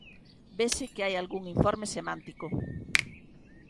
Vese que hai algún informe semántico.